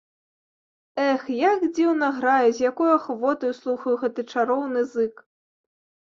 Эх, як дзіўна грае, з якою ахвотаю слухаю гэты чароўны зык!